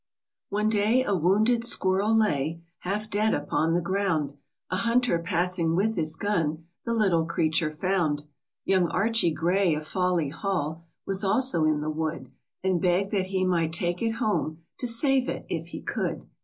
F\NE day a wounded squirrel W lay Half dead upon the ground ; A hunter passing with his gun, The little creature found. Young Archie Gray, of Fawley Hall, Was also in the wood, And begged that he might take it home To save it, if he could.